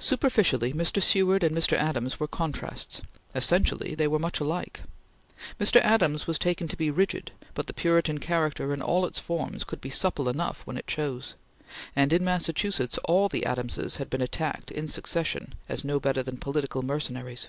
Superficially Mr. Seward and Mr. Adams were contrasts; essentially they were much alike. Mr. Adams was taken to be rigid, but the Puritan character in all its forms could be supple enough when it chose; and in Massachusetts all the Adamses had been attacked in succession as no better than political mercenaries.